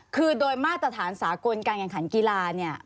คือโดยมาตรฐานสากลการแข่งขันกีฬาเนี่ย